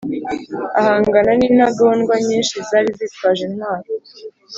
ahangana n'intagondwa nyinshi zari zitwaje intwaro